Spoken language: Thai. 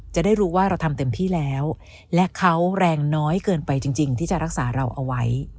จะได้รู้ว่าเราทำเต็มที่แล้วและเขาแรงน้อยเกินไปจริงที่จะรักษาเราเอาไว้